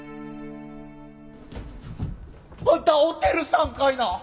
あんたおてるさんかいな。